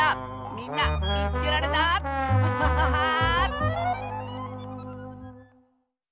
みんなみつけられた？アハハハー！